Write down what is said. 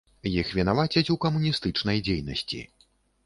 Іх вінавацяць у камуністычнай дзейнасці.